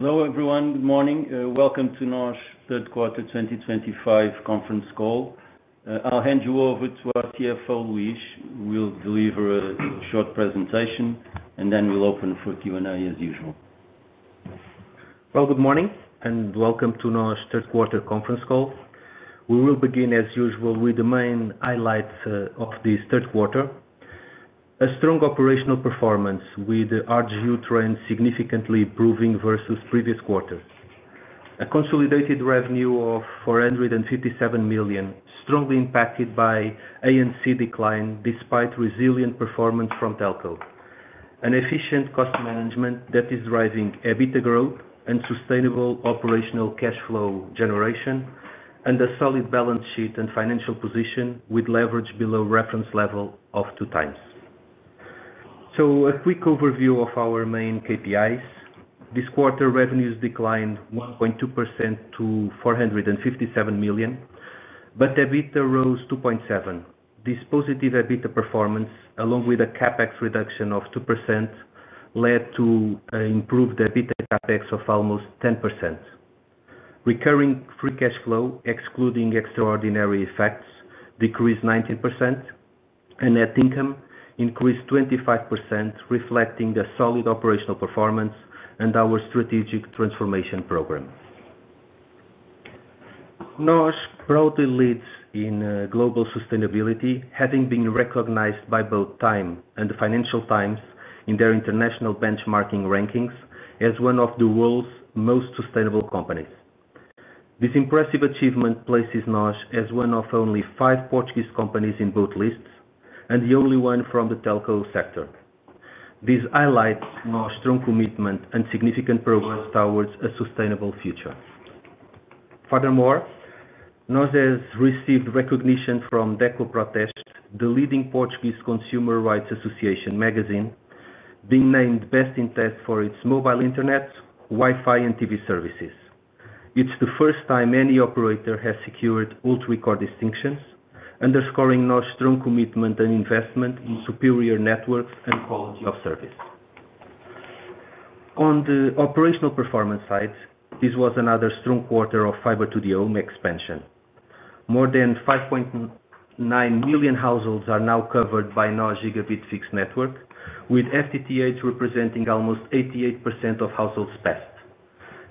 Hello, everyone. Good morning. Welcome to NOS third quarter 2025 conference call. I'll hand you over to our CFO, Luís. We'll deliver a short presentation, and then we'll open for Q&A as usual. Good morning and welcome to NOS third quarter conference call. We will begin as usual with the main highlights of this third quarter. A strong operational performance with RGU trends significantly improving versus previous quarter. A consolidated revenue of 457 million, strongly impacted by ANC decline despite resilient performance from Telco. An efficient cost management that is driving EBITDA growth and sustainable operational cash flow generation, and a solid balance sheet and financial position with leverage below reference level of 2x. A quick overview of our main KPIs. This quarter, revenues declined 1.2% to 457 million, but EBITDA rose 2.7%. This positive EBITDA performance, along with a CapEx reduction of 2%, led to an improved EBITDA CapEx of almost 10%. Recurring free cash flow, excluding extraordinary effects, decreased 19%, and net income increased 25%, reflecting the solid operational performance and our strategic transformation program. NOS proudly leads in global sustainability, having been recognized by both Time and Financial Times in their international benchmarking rankings as one of the world's most sustainable companies. This impressive achievement places NOS as one of only five Portuguese companies in both lists and the only one from the Telco sector. This highlights NOS' strong commitment and significant progress towards a sustainable future. Furthermore, NOS has received recognition from DECO PROteste, the leading Portuguese consumer rights association magazine, being named Best in Test for its mobile internet, Wi-Fi, and TV services. It's the first time any operator has secured [all three core] distinctions, underscoring NOS' strong commitment and investment in superior networks and quality of service. On the operational performance side, this was another strong quarter of fiber to the home expansion. More than 5.9 million households are now covered by NOS Gigabit Fixed Network, with FTTH representing almost 88% of households passed.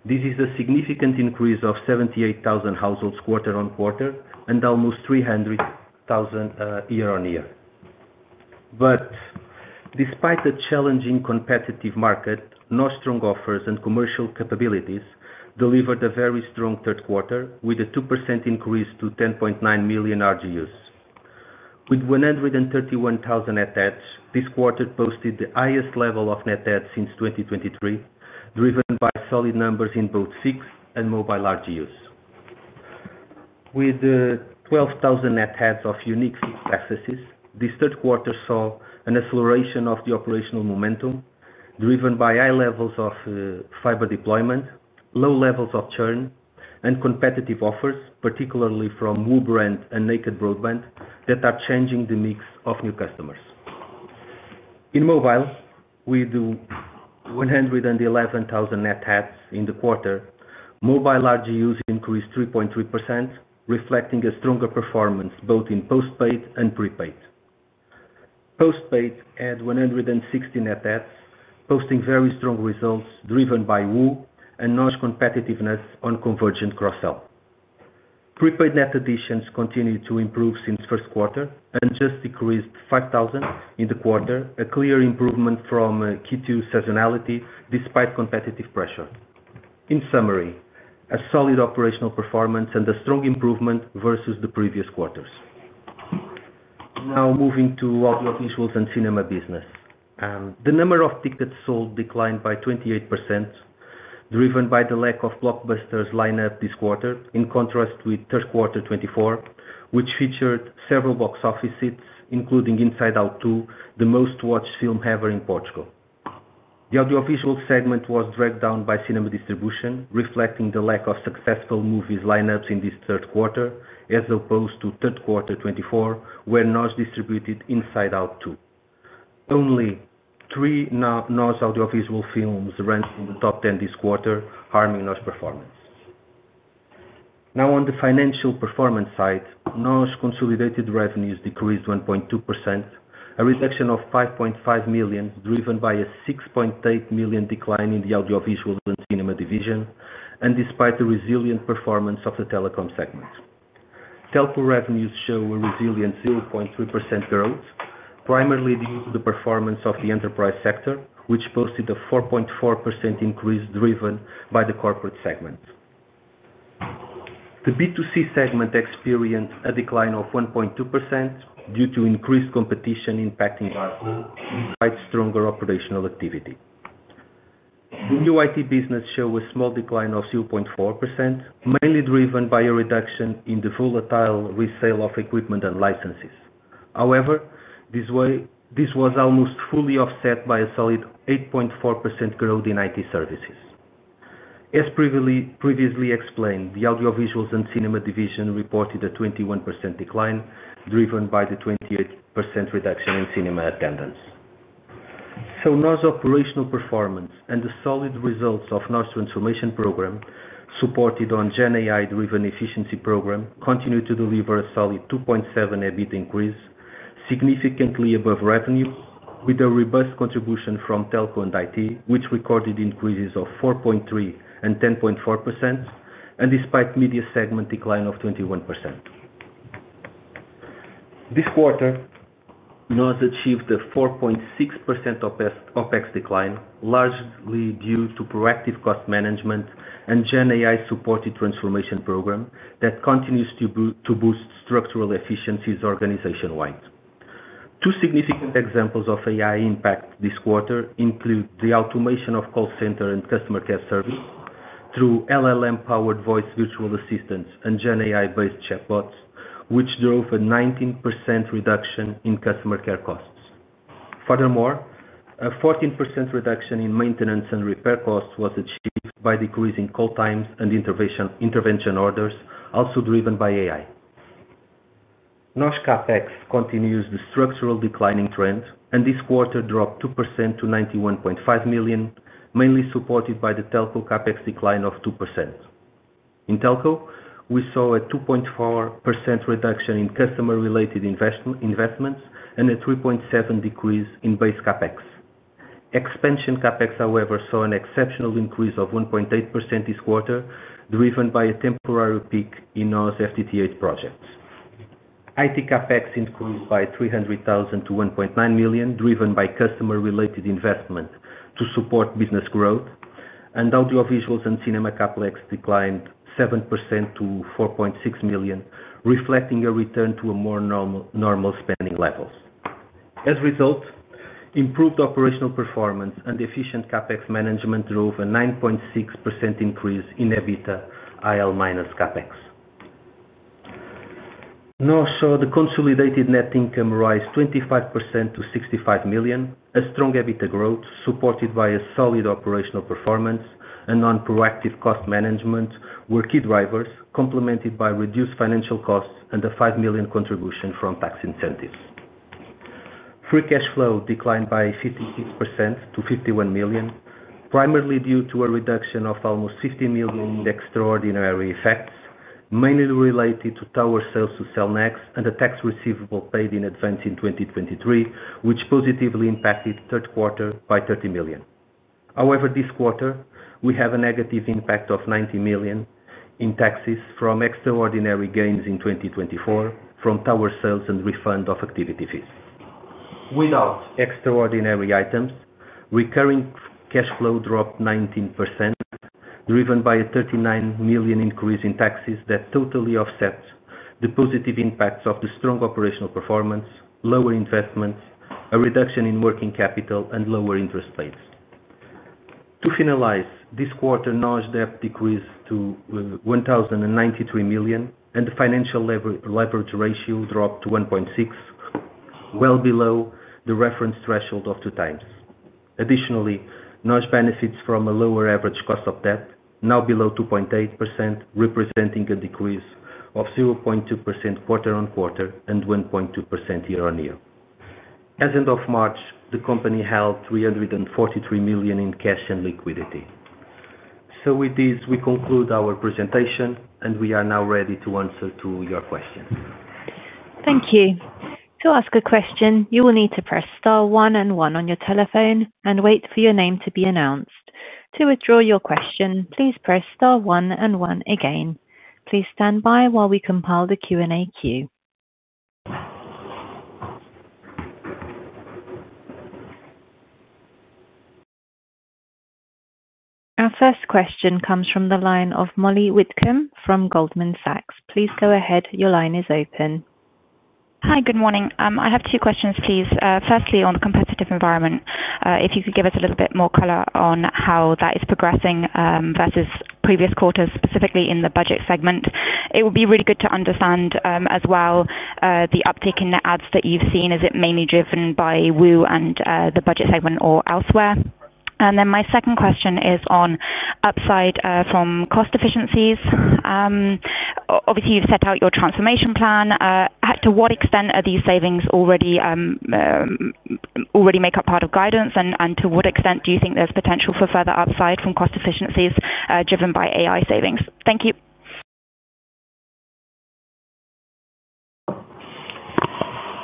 This is a significant increase of 78,000 households quarter on quarter and almost 300,000 year on year. Despite a challenging competitive market, NOS' strong offers and commercial capabilities delivered a very strong third quarter with a 2% increase to 10.9 million RGUs, with 131,000 net adds. This quarter posted the highest level of net adds since 2023, driven by solid numbers in both fixed and mobile RGUs. With 12,000 net adds of unique successes, this third quarter saw an acceleration of the operational momentum, driven by high levels of fiber deployment, low levels of churn, and competitive offers, particularly from WOO brand and Naked Broadband, that are changing the mix of new customers. In mobile, with 111,000 net adds in the quarter, mobile RGUs increased 3.3%, reflecting a stronger performance both in postpaid and prepaid. Postpaid had 160 net adds, posting very strong results driven by WOO and NOS' competitiveness on convergent cross-sell. Prepaid net additions continue to improve since first quarter and just decreased 5,000 in the quarter, a clear improvement from Q2 seasonality despite competitive pressure. In summary, a solid operational performance and a strong improvement versus the previous quarters. Now moving to audio visuals and cinema business. The number of tickets sold declined by 28%, driven by the lack of blockbusters lineup this quarter, in contrast with third quarter 2024, which featured several box office hits, including Inside Out 2, the most watched film ever in Portugal. The audiovisual segment was dragged down by cinema distribution, reflecting the lack of successful movies lineups in this third quarter, as opposed to third quarter 2024, where NOS distributed Inside Out 2. Only three NOS audiovisual films ranked in the top 10 this quarter, harming NOS' performance. Now on the financial performance side, NOS' consolidated revenues decreased 1.2%, a reduction of 5.5 million, driven by a 6.8 million decline in the audiovisual and cinema division, and despite the resilient performance of the telecom segment. Telco revenues show a resilient 0.3% growth, primarily due to the performance of the enterprise sector, which posted a 4.4% increase driven by the corporate segment. The B2C segment experienced a decline of 1.2% due to increased competition impacting RGU, despite stronger operational activity. The new IT business showed a small decline of 0.4%, mainly driven by a reduction in the volatile resale of equipment and licenses. However, this was almost fully offset by a solid 8.4% growth in IT services. As previously explained, the audiovisuals and cinema division reported a 21% decline, driven by the 28% reduction in cinema attendance. NOS' operational performance and the solid results of NOS' transformation program, supported on GenAI-driven efficiency program, continue to deliver a solid 2.7% EBITDA increase, significantly above revenue, with a robust contribution from Telco and IT, which recorded increases of 4.3% and 10.4%, and despite media segment decline of 21%. This quarter, NOS achieved a 4.6% OpEx decline, largely due to proactive cost management and GenAI-supported transformation program that continues to boost structural efficiencies organization-wide. Two significant examples of AI impact this quarter include the automation of call center and customer care service through LLM-powered voice virtual assistants and GenAI-based chatbots, which drove a 19% reduction in customer care costs. Furthermore, a 14% reduction in maintenance and repair costs was achieved by decreasing call times and intervention orders, also driven by AI. NOS' CapEx continues the structural declining trend, and this quarter dropped 2% to 91.5 million, mainly supported by the Telco CapEx decline of 2%. In Telco, we saw a 2.4% reduction in customer-related investments and a 3.7% decrease in base CapEx. Expansion CapEx, however, saw an exceptional increase of 1.8% this quarter, driven by a temporary peak in NOS' FTTH projects. IT CapEx increased by 300,000 to 1.9 million, driven by customer-related investment to support business growth, and audiovisuals and cinema CapEx declined 7% to 4.6 million, reflecting a return to a more normal spending level. As a result, improved operational performance and efficient CapEx management drove a 9.6% increase in EBITDA IL minus CapEx. NOS saw the consolidated net income rise 25% to 65 million. A strong EBITDA growth, supported by a solid operational performance and non-proactive cost management, were key drivers, complemented by reduced financial costs and a 5 million contribution from tax incentives. Free cash flow declined by 56% to 51 million, primarily due to a reduction of almost 50 million in extraordinary effects, mainly related to tower sales to sell next and the tax receivable paid in advance in 2023, which positively impacted third quarter by 30 million. However, this quarter, we have a negative impact of 90 million in taxes from extraordinary gains in 2024 from tower sales and refund of activity fees. Without extraordinary items, recurring cash flow dropped 19%, driven by a 39 million increase in taxes that totally offsets the positive impacts of the strong operational performance, lower investments, a reduction in working capital, and lower interest rates. To finalize, this quarter, NOS' debt decreased to 1,093 million, and the financial leverage ratio dropped to 1.6x, well below the reference threshold of 2x. Additionally, NOS benefits from a lower average cost of debt, now below 2.8%, representing a decrease of 0.2% quarter on quarter and 1.2% year on year. As of March, the company held 343 million in cash and liquidity. With this, we conclude our presentation, and we are now ready to answer your questions. Thank you. To ask a question, you will need to press star one and one on your telephone and wait for your name to be announced. To withdraw your question, please press star one and one again. Please stand by while we compile the Q&A queue. Our first question comes from the line of Mollie Witcombe from Goldman Sachs. Please go ahead. Your line is open. Hi. Good morning. I have two questions, please. Firstly, on the competitive environment, if you could give us a little bit more color on how that is progressing versus previous quarters, specifically in the budget segment. It would be really good to understand as well the uptake in net adds that you've seen. Is it mainly driven by WOO and the budget segment or elsewhere? My second question is on upside from cost efficiencies. Obviously, you've set out your transformation plan. To what extent are these savings already make up part of guidance, and to what extent do you think there's potential for further upside from cost efficiencies driven by AI savings? Thank you.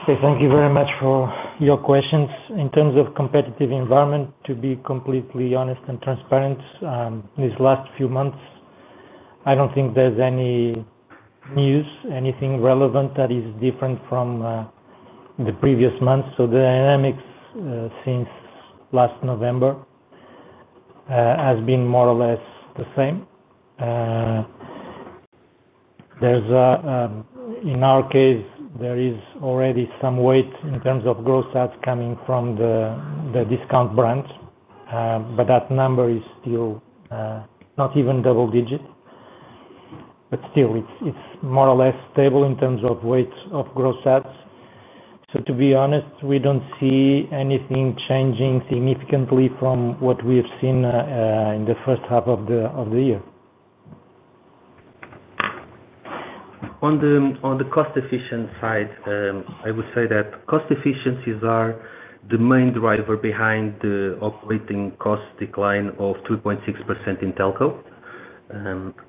Okay. Thank you very much for your questions. In terms of competitive environment, to be completely honest and transparent, these last few months, I don't think there's any news, anything relevant that is different from the previous months. The dynamics since last November have been more or less the same. In our case, there is already some weight in terms of gross ads coming from the discount brands, but that number is still not even double-digit. It is more or less stable in terms of weight of gross ads. To be honest, we don't see anything changing significantly from what we have seen in the first half of the year. On the cost-efficient side, I would say that cost efficiencies are the main driver behind the operating cost decline of 3.6% in Telco.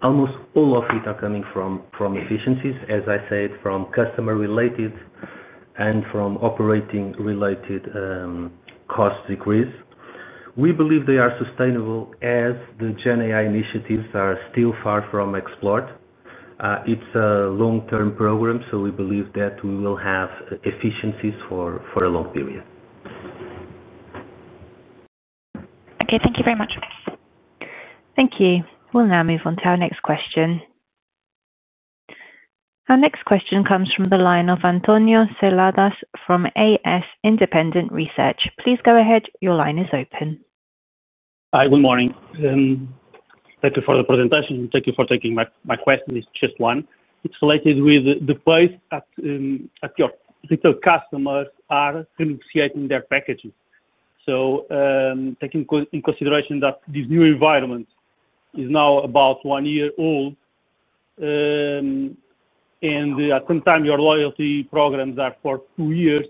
Almost all of it is coming from efficiencies, as I said, from customer-related and from operating-related cost decrease. We believe they are sustainable as the GenAI initiatives are still far from explored. It's a long-term program, so we believe that we will have efficiencies for a long period. Okay, thank you very much. Thank you. We'll now move on to our next question. Our next question comes from the line of António Seladas from AS Independent Research. Please go ahead. Your line is open. Hi. Good morning. Thank you for the presentation. Thank you for taking my question. It's just one. It's related with the pace at which your retail customers are renegotiating their packages. Taking in consideration that this new environment is now about one year old and at some time your loyalty programs are for two years,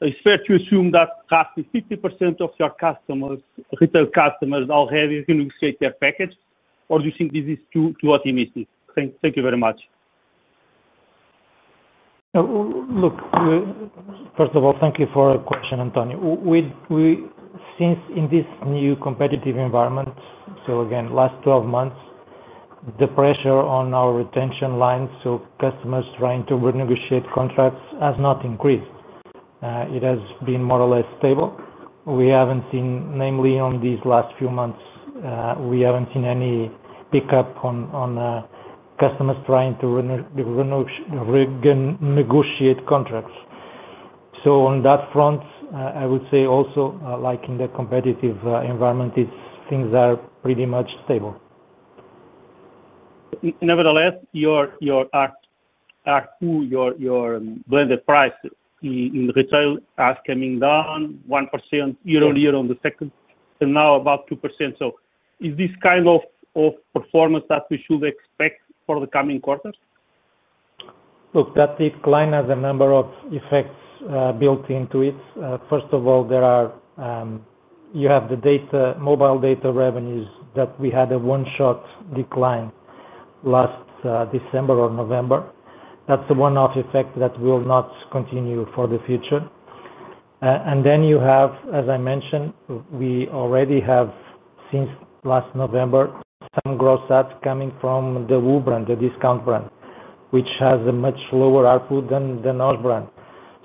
it's fair to assume that roughly 50% of your customers, retail customers, already renegotiate their package? Do you think this is too optimistic? Thank you very much. Look, first of all, thank you for the question, António. In this new competitive environment, over the last 12 months, the pressure on our retention lines, with customers trying to renegotiate contracts, has not increased. It has been more or less stable. We haven't seen, namely in these last few months, any pickup in customers trying to renegotiate contracts. On that front, I would say, in the competitive environment, things are pretty much stable. Nevertheless, your ARPU, your blended price in retail is coming down 1% year on year in the second, and now about 2%. Is this kind of performance that we should expect for the coming quarters? Look, that decline has a number of effects built into it. First of all, you have the mobile data revenues that we had a one-shot decline last December or November. That's a one-off effect that will not continue for the future. You have, as I mentioned, we already have, since last November, some gross ads coming from the WOO brand, the discount brand, which has a much lower ARPU than the NOS brand.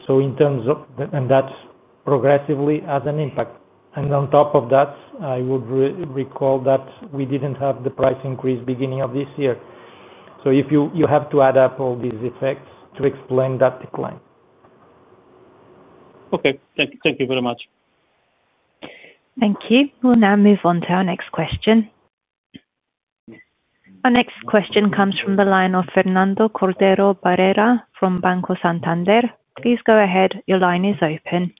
In terms of that, it progressively has an impact. On top of that, I would recall that we didn't have the price increase at the beginning of this year. You have to add up all these effects to explain that decline. Okay, thank you very much. Thank you. We'll now move on to our next question. Our next question comes from the line of Fernando Cordero Barreira from Banco Santander. Please go ahead. Your line is open.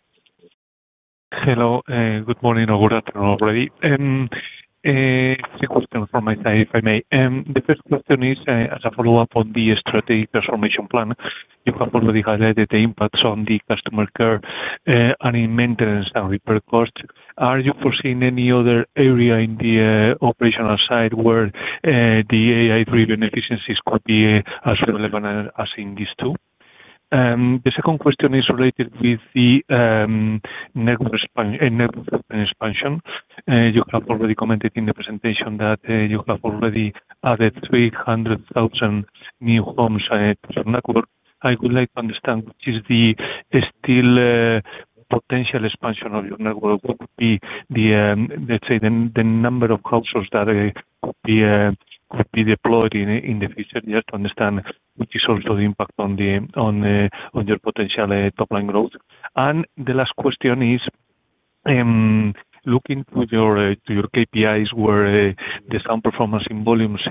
Hello. Good morning or good afternoon, already. Same question from my side, if I may. The first question is, as a follow-up on the strategic transformation plan, you have already highlighted the impacts on the customer care, and in maintenance and repair costs. Are you foreseeing any other area in the operational side where the AI-driven efficiencies could be as relevant as in these two? The second question is related with the network expansion. You have already commented in the presentation that you have already added 300,000 new homes to your network. I would like to understand which is the still potential expansion of your network. What would be the, let's say, the number of households that could be, could be deployed in in the future, just to understand which is also the impact on your potential top-line growth. The last question is, looking to your KPIs where the sound performance in volumes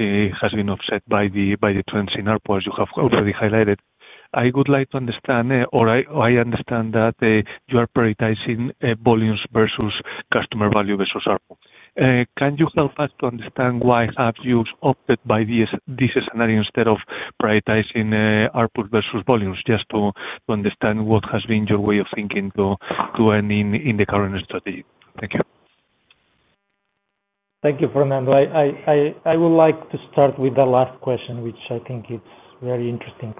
has been offset by the trends in ARPU, as you have already highlighted. I would like to understand, or I understand that you are prioritizing volumes versus customer value versus ARPU. Can you help us to understand why have you opted by this scenario instead of prioritizing ARPU versus volumes, just to understand what has been your way of thinking to end in the current strategy? Thank you. Thank you, Fernando. I would like to start with the last question, which I think is very interesting.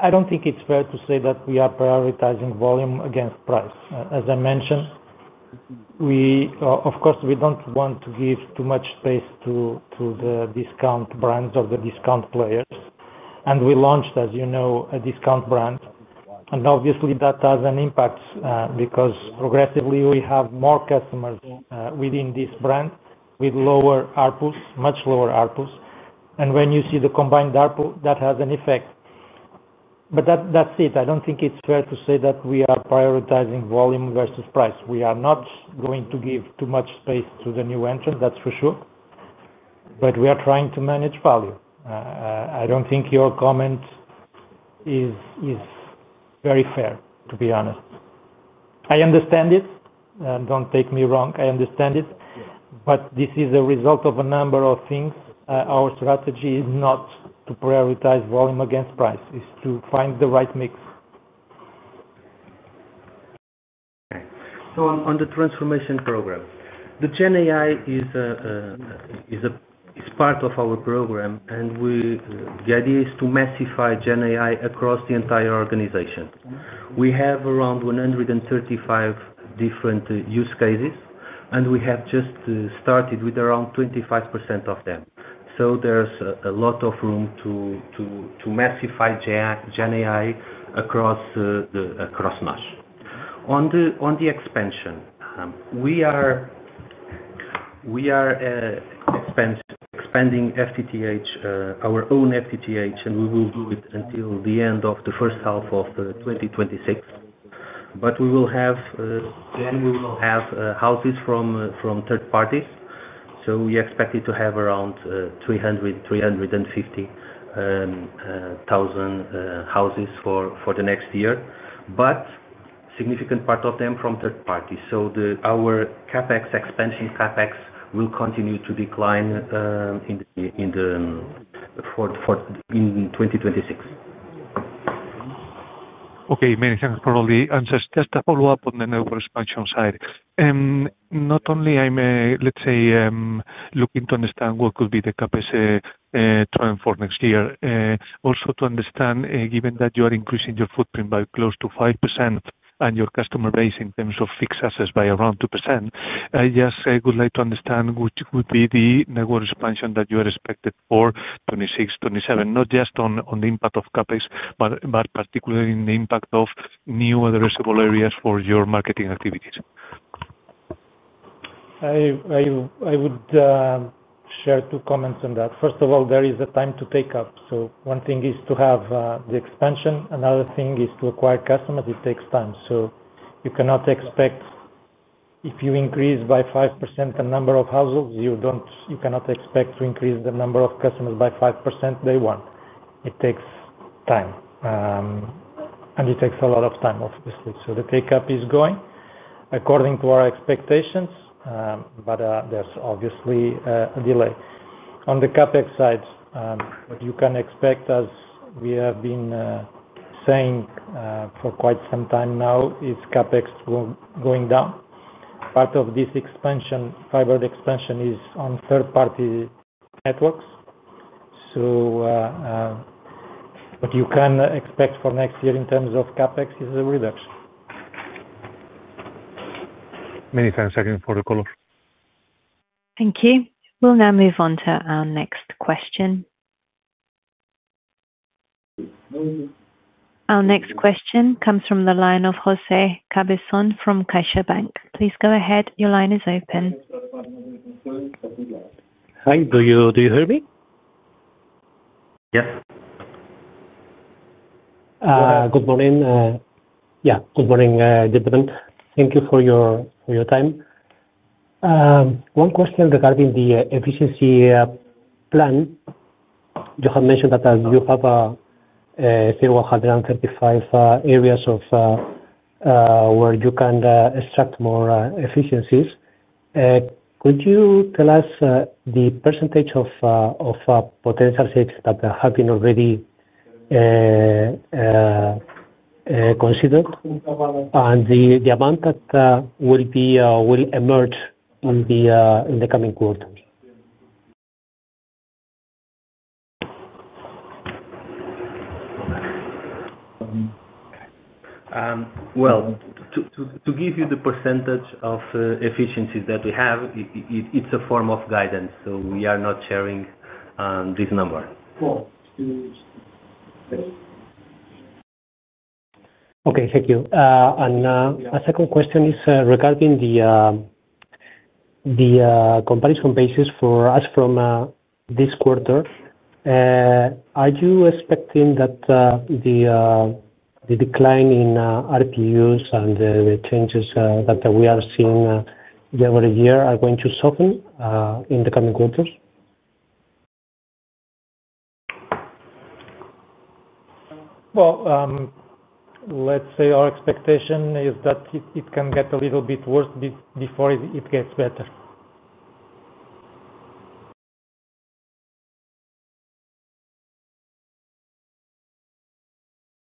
I don't think it's fair to say that we are prioritizing volume against price. As I mentioned, we, of course, don't want to give too much space to the discount brands or the discount players. We launched, as you know, a discount brand, and obviously, that has an impact because progressively we have more customers within this brand with lower ARPUs, much lower ARPUs. When you see the combined ARPU, that has an effect. That's it. I don't think it's fair to say that we are prioritizing volume versus price. We are not going to give too much space to the new entrants, that's for sure. We are trying to manage value. I don't think your comment is very fair, to be honest. I understand it. Don't take me wrong. I understand it. This is a result of a number of things. Our strategy is not to prioritize volume against price. It's to find the right mix. Okay. On the transformation program, the GenAI is part of our program, and the idea is to massify GenAI across the entire organization. We have around 135 different use cases, and we have just started with around 25% of them. There's a lot of room to massify GenAI across NOS. On the expansion, we are expanding our own FTTH, and we will do it until the end of the first half of 2026. We will have houses from third parties. We expect to have around 300,000-350,000 houses for the next year, with a significant part of them from third parties. Our CapEx, expansion CapEx, will continue to decline in 2026. Okay. Many thanks for all the answers. Just a follow-up on the network expansion side. Not only am I looking to understand what could be the CapEx trend for next year, also to understand, given that you are increasing your footprint by close to 5% and your customer base in terms of fixed assets by around 2%, I just would like to understand which would be the network expansion that you are expected for 2026, 2027, not just on the impact of CapEx, but particularly in the impact of new addressable areas for your marketing activities. I would share two comments on that. First of all, there is a time to take up. One thing is to have the expansion, another thing is to acquire customers. It takes time. You cannot expect if you increase by 5% the number of households, you cannot expect to increase the number of customers by 5% day one. It takes time, and it takes a lot of time, obviously. The takeup is going according to our expectations, but there's obviously a delay. On the CapEx side, what you can expect, as we have been saying for quite some time now, is CapEx going down. Part of this fiber expansion is on third-party networks. What you can expect for next year in terms of CapEx is a reduction. Many thanks again for the call. Thank you. We'll now move on to our next question. Our next question comes from the line of José Cabezón from CaixaBank. Please go ahead. Your line is open. Hi. Do you hear me? Yes. Good morning. Good morning, gentlemen. Thank you for your time. One question regarding the efficiency plan. You have mentioned that you have a few 135 areas where you can extract more efficiencies. Could you tell us the percentage of potential savings that have been already considered and the amount that will emerge in the coming quarters? To give you the percentage of efficiencies that we have, it's a form of guidance. We are not sharing this number. Thank you. A second question is regarding the comparison basis for us from this quarter. Are you expecting that the decline in RGUs and the changes that we are seeing year over year are going to soften in the coming quarters? Our expectation is that it can get a little bit worse before it gets better.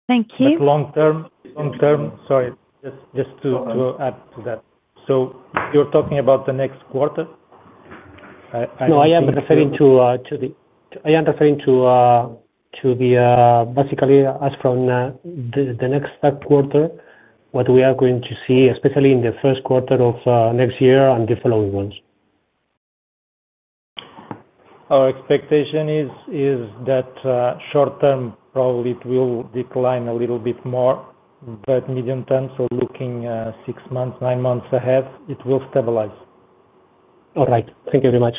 Thank you. Long term, long term, just to add to that. You're talking about the next quarter? No, I am referring to basically us from the next quarter, what we are going to see, especially in the first quarter of next year and the following ones. Our expectation is that short term, probably it will decline a little bit more, but medium term, so looking six months, nine months ahead, it will stabilize. All right. Thank you very much.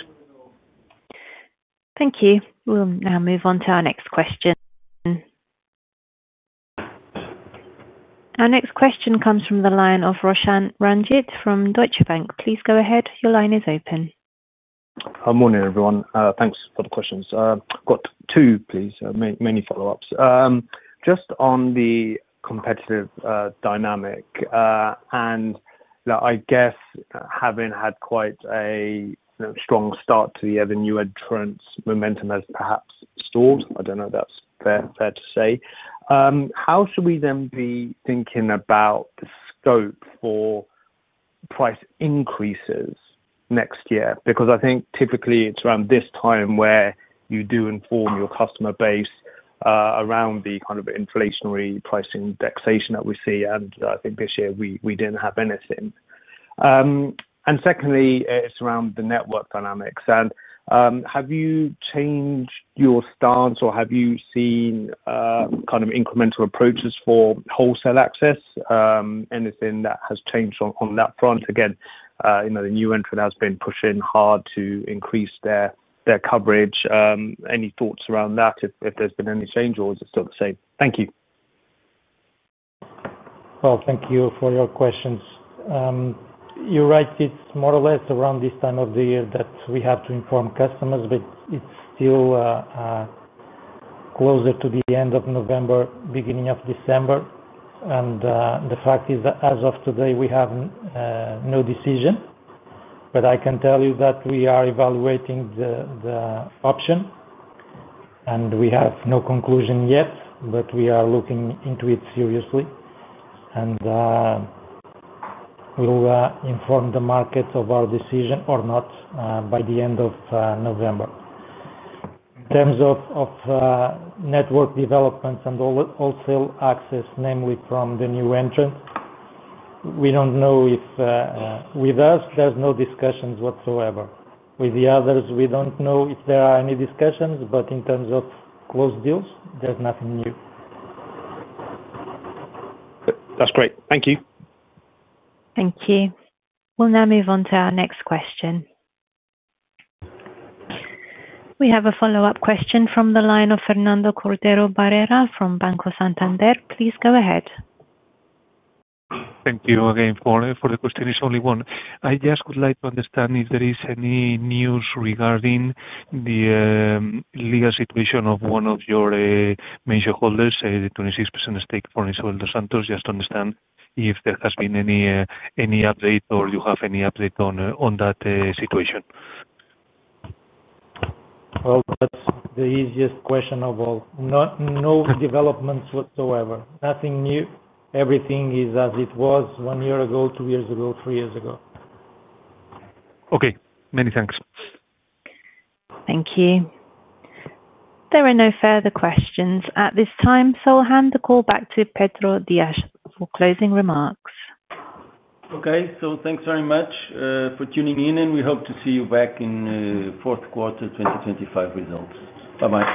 Thank you. We'll now move on to our next question. Our next question comes from the line of Roshan Ranjit from Deutsche Bank. Please go ahead. Your line is open. Good morning, everyone. Thanks for the questions. I've got two, please, mainly follow-ups. Just on the competitive dynamic, I guess having had quite a strong start to the other new entrants' momentum has perhaps stalled. I don't know if that's fair to say. How should we then be thinking about the scope for price increases next year? I think typically it's around this time where you do inform your customer base around the kind of inflationary price indexation that we see. I think this year we didn't have anything. Secondly, it's around the network dynamics. Have you changed your stance or have you seen kind of incremental approaches for wholesale access? Anything that has changed on that front? You know the new entrant has been pushing hard to increase their coverage. Any thoughts around that if there's been any change or is it still the same? Thank you. Thank you for your questions. You're right. It's more or less around this time of the year that we have to inform customers, but it's still closer to the end of November, beginning of December. The fact is that as of today, we have no decision. I can tell you that we are evaluating the option and we have no conclusion yet, but we are looking into it seriously. We'll inform the markets of our decision or not by the end of November. In terms of network developments and all wholesale access, namely from the new entrants, we don't know if with us, there's no discussions whatsoever. With the others, we don't know if there are any discussions, but in terms of closed deals, there's nothing new. That's great. Thank you. Thank you. We'll now move on to our next question. We have a follow-up question from the line of Fernando Cordero Barreira from Banco Santander. Please go ahead. Thank you again for the question. It's only one. I just would like to understand if there is any news regarding the legal situation of one of your major holders, the 26% stake for Isabel dos Santos. Just to understand if there has been any update or you have any update on that situation. That's the easiest question of all. No developments whatsoever. Nothing new. Everything is as it was one year ago, two years ago, three years ago. Okay, many thanks. Thank you. There are no further questions at this time. I'll hand the call back to Pedro Dias for closing remarks. Thanks very much for tuning in, and we hope to see you back in fourth quarter 2025 results. Bye-bye.